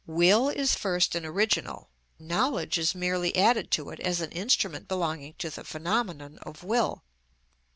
Will is first and original; knowledge is merely added to it as an instrument belonging to the phenomenon of will.